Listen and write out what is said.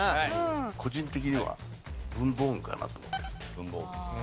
個人的には文房具かなと思ってる文房具。